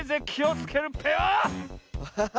アハハ！